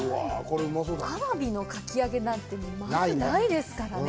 アワビのかき揚げなんて、まず、ないですからね。